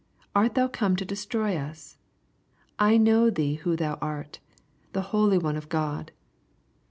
art thou come to destroy us ? I know thee who thou art ; the Holy One of God.